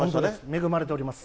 恵まれております。